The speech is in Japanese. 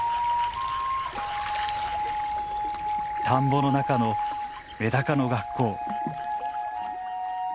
田んぼの中のメダカの学校。